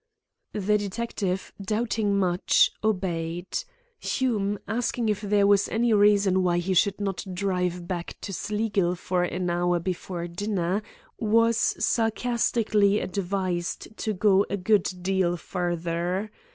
The detective, doubting much, obeyed. Hume, asking if there was any reason why he should not drive back to Sleagill for an hour before dinner, was sarcastically advised to go a good deal farther.